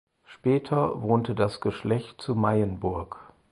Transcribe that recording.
Später wohnte das Geschlecht zur Meyenburg.